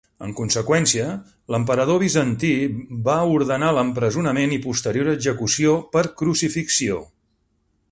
En conseqüència, l'emperador bizantí va ordenar l'empresonament i posterior execució per crucifixió.